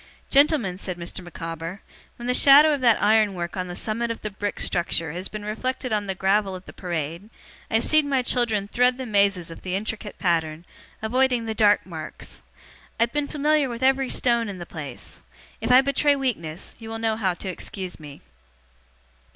Gentlemen,' said Mr. Micawber, 'when the shadow of that iron work on the summit of the brick structure has been reflected on the gravel of the Parade, I have seen my children thread the mazes of the intricate pattern, avoiding the dark marks. I have been familiar with every stone in the place. If I betray weakness, you will know how to excuse me.